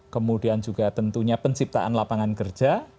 kemudian juga tentunya penciptaan lapangan kerja